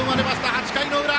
８回の裏。